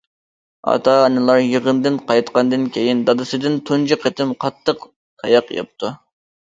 ئاتا- ئانىلار يىغىندىن قايتقاندىن كېيىن دادىسىدىن تۇنجى قېتىم قاتتىق تاياق يەپتۇ.